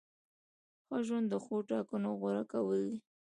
ښه ژوند د ښو ټاکنو غوره کول دي.